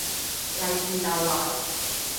利是逗來